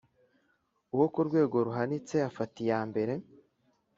uwo ku rwego ruhanitse afata iyambere